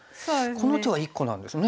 この手は１個なんですね。